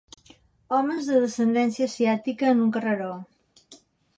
Homes de descendència asiàtica en un carreró.